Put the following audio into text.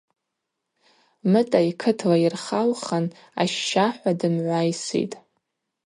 Мытӏа йкытла йырхаухын ащ-ща – хӏва дымгӏвайсхитӏ.